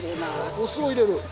お酢を入れる？